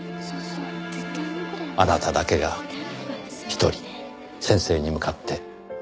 あなただけが１人先生に向かって。